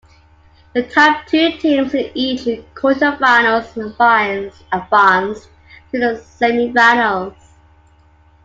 The top two teams in each quarterfinals advanced to the semifinals.